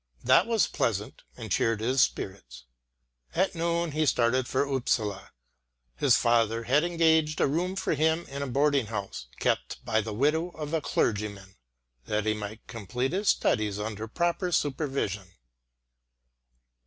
That was pleasant and cheered his spirits. At noon he started for Upsala. His father had engaged a room for him in a boarding house, kept by the widow of a clergyman, that he might complete his studies under proper supervision.